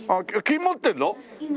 金持ってるの？